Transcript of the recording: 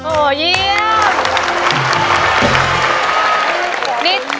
โอ้เยี่ยม